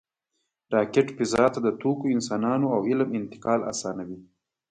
راکټ فضا ته د توکو، انسانانو او علم انتقال آسانوي